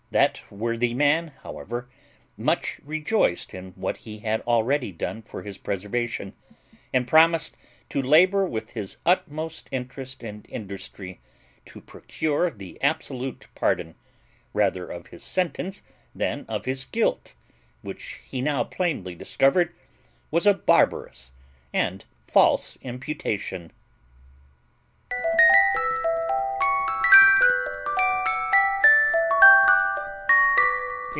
That worthy man, however, much rejoiced in what he had already done for his preservation, and promised to labour with his utmost interest and industry to procure the absolute pardon, rather of his sentence than of his guilt, which he now plainly discovered was a barbarous and false imputation.